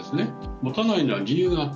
持たないのは理由があった。